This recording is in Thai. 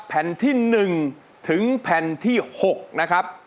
แผ่นที่๑ถึงแผ่นที่๖นะครับ